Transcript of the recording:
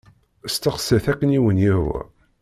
Steqsit akken i wen-yehwa.